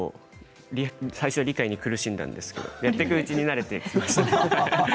最初は結構理解に苦しんだんですけどやっていくうちに慣れて。